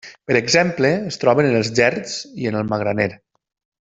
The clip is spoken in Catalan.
Per exemple es troben en els gerds i en el magraner.